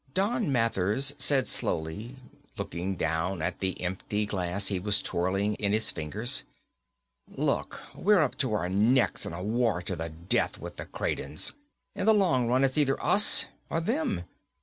Don Mathers said slowly, looking down at the empty glass he was twirling in his fingers, "Look, we're up to our necks in a war to the death with the Kradens. In the long run it's either us or them.